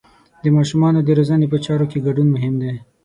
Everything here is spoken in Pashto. د ماشومانو د روزنې په چارو کې ګډون مهم دی.